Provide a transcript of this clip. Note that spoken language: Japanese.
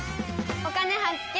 「お金発見」。